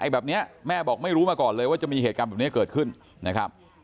แบบนี้แม่บอกไม่รู้มาก่อนเลยว่าจะมีเหตุการณ์แบบนี้เกิดขึ้นนะครับ